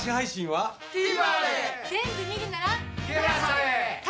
はい！